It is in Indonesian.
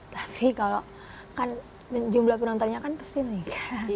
tapi kalau kan jumlah penontonnya kan pasti meningkat